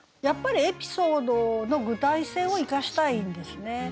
やっぱりエピソードの具体性を生かしたいんですね。